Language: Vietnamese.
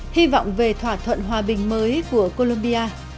hy vọng về thỏa thuận hòa bình mới